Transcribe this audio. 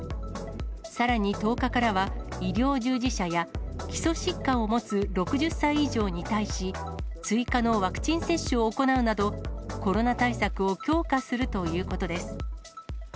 さらに１０日からは、医療従事者や基礎疾患を持つ６０歳以上に対し、追加のワクチン接種を行うなど、コロナ対策を強化するということです。